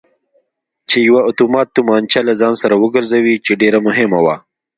چې یوه اتومات تومانچه له ځان سر وګرځوي چې ډېره مهمه وه.